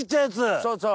そうそう。